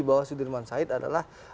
pak sudirman said adalah